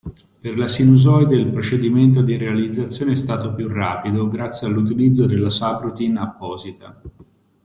Per la sinusoide il procedimento di realizzazione è stato più rapido grazie all'utilizzo della sub-routine apposita.